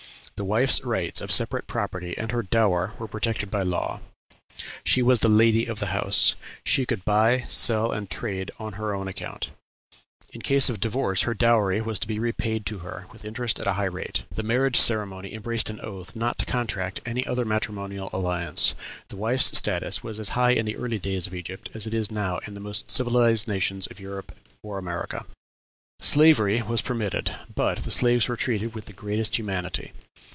The wife's rights of separate property and her dower were protected by law; she was "the lady of the house;" she could "buy, sell, and trade on her own account;" in case of divorce her dowry was to be repaid to her, with interest at a high rate. The marriage ceremony embraced an oath not to contract any other matrimonial alliance. The wife's status was as high in the earliest days of Egypt as it is now in the most civilized nations of Europe or America. Slavery was permitted, but the slaves were treated with the greatest humanity.